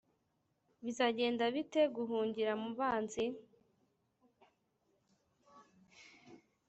bizagenda bite guhungira mubanzi"